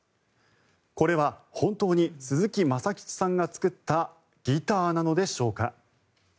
これは本当に鈴木政吉さんが作ったギターなのでしょうか。